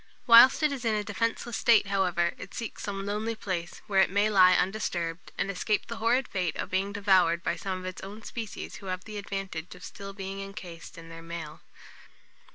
Whilst it is in a defenceless state, however, it seeks some lonely place, where it may lie undisturbed, and escape the horrid fate of being devoured by some of its own species who have the advantage of still being encased in their mail.